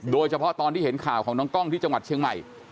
โดยเฉพาะตอนที่เห็นข่าวของน้องกล้องที่จังหวัดเชียงใหม่